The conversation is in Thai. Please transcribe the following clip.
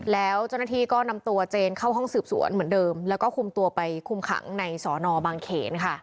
แล้วเจ้าหน้าที่ก็นำตัวเจนเข้าห้องสืบสวนเหมือนเดิมแล้วก็คุมตัวไปคุมขังในสอนอบางเขนค่ะ